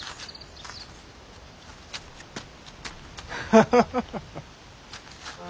ハハハハッ。